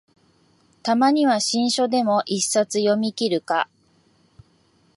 たまには新書でも一冊読みきるか